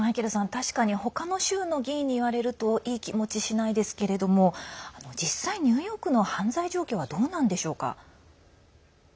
確かに他の州の議員に言われるといい気持ちしないですけど実際、ニューヨークの犯罪状況はどうなんでしょうか？